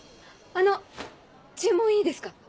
あの注文いいですか？